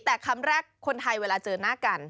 แต่คำแรกคนไทยเวลาเจอหน้ากัน